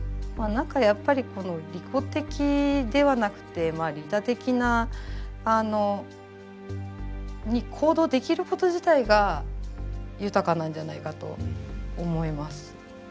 何かやっぱり利己的ではなくて利他的に行動できること自体が豊かなんじゃないかと思います。